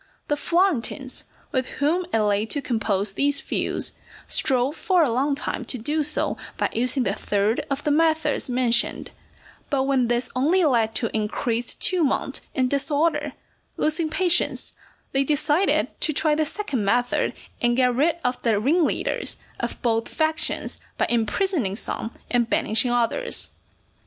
The Florentines, with whom it lay to compose these feuds, strove for a long time to do so by using the third of the methods mentioned; but when this only led to increased tumult and disorder, losing patience, they decided to try the second method and get rid of the ringleaders of both factions by imprisoning some and banishing others.